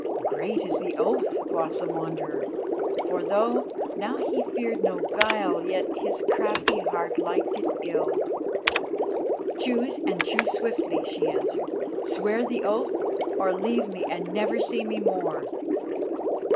"Great is the oath," quoth the Wanderer; for though now he feared no guile, yet his crafty heart liked it ill. "Choose, and choose swiftly," she answered. "Swear the oath, or leave me and never see me more!"